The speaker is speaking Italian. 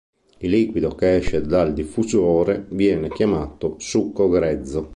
Il liquido che esce dal diffusore viene chiamato "succo grezzo".